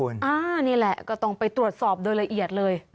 นี่แหละก็ต้องไปตรวจสอบโดยละเอียดเลย